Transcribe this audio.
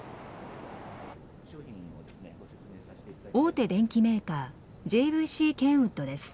大手電機メーカーＪＶＣケンウッドです。